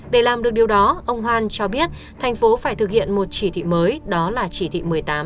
để làm được điều đó ông hoan cho biết thành phố phải thực hiện một chỉ thị mới đó là chỉ thị một mươi tám